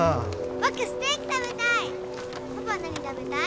僕ステーキ食べたい。